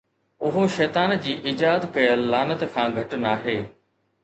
اهو شيطان جي ايجاد ڪيل لعنت کان گهٽ ناهي.